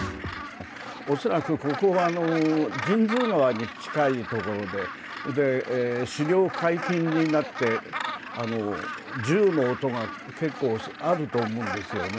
恐らく、ここは神通川に近い所で、狩猟解禁になって、銃の音が結構あると思うんですよね。